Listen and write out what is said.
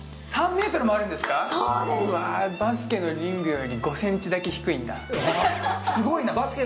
わー、バスケのリングより５ｃｍだけ低いんだ。